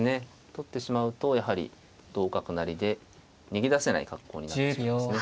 取ってしまうとやはり同角成で逃げ出せない格好になってしまいますね。